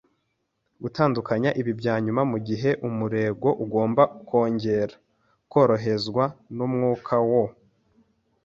gutandukanya ibi byanyuma mugihe umurego ugomba kongera koroherezwa numwuka wo